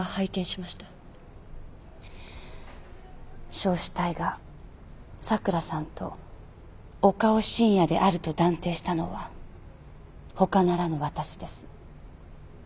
焼死体が咲良さんと岡尾芯也であると断定したのはほかならぬ私です。